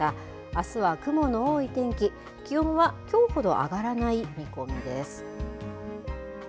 あすは雲の多い天気、気温はきょうほど上がらない見込みです。